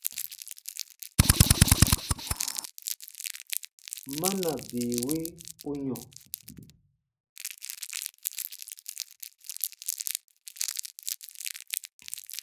Mana bii wi u yɔ̃ ?